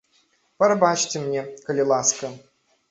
Прабачце мне, калі ласка.